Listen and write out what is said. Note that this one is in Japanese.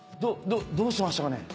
どどうしましたかね？